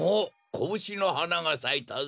コブシのはながさいたぞ！